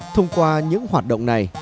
thông qua những hoạt động này